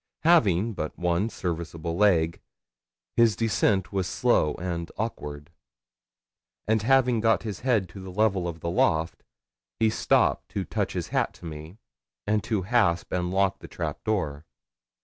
Having but one serviceable leg, his descent was slow and awkward, and having got his head to the level of the loft he stopped to touch his hat to me, and to hasp and lock the trap door.